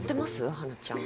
花ちゃん。